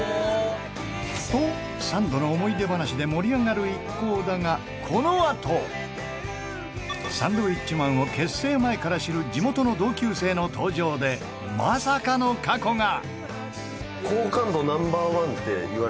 と、サンドの思い出話で盛り上がる一行だがこのあとサンドウィッチマンを結成前から知る地元の同級生の登場でまさかの過去が！